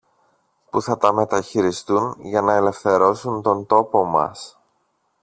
που θα τα μεταχειριστούν για να ελευθερώσουν τον τόπο μας